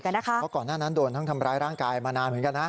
เพราะก่อนหน้านั้นโดนทั้งทำร้ายร่างกายมานานเหมือนกันนะ